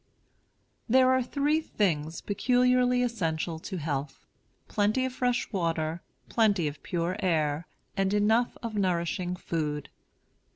There are three things peculiarly essential to health, plenty of fresh water, plenty of pure air, and enough of nourishing food.